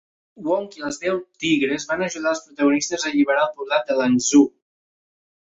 Wong i els Deu Tigres van ajudar als protagonistes a alliberar el poblat de Lanzhou.